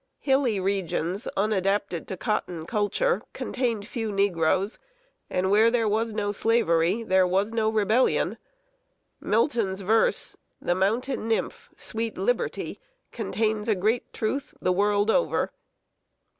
Hilly regions, unadapted to cotton culture, contained few negroes; and where there was no Slavery, there was no Rebellion. Milton's verse "The mountain nymph, sweet Liberty," contains a great truth, the world over. [Sidenote: A LEVEE IN A BARN.